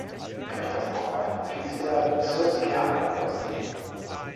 Durch das Dorf fließt der Susquehanna-Fluss.